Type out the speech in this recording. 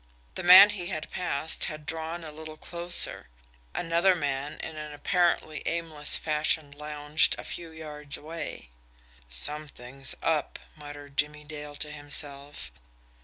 The man he had passed had drawn a little closer; another man in an apparently aimless fashion lounged a few yards away. "Something up," muttered Jimmie Dale to himself.